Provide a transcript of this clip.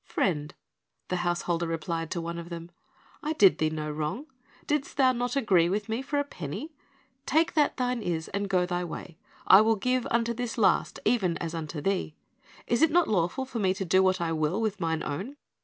"Friend," the householder replied to one of them, "I do thee no wrong; didst not thou agree with me for a penny? Take that thine is, and go thy way; I will give unto this last, even as unto thee. Is it not lawful for me to do what I will with mine own?